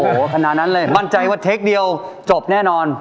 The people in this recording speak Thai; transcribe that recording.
โอ้โหขนาดนั้นเลยมั่นใจว่าเทคเดียวจบแน่นอน